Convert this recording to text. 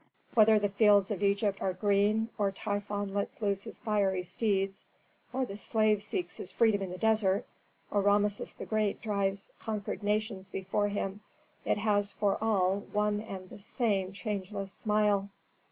Whether the fields of Egypt are green, or Typhon lets loose his fiery steeds, or the slave seeks his freedom in the desert, or Rameses the Great drives conquered nations before him, it has for all one and the same changeless smile.